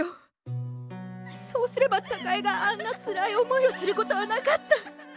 そうすれば貴恵があんなつらい思いをすることはなかった！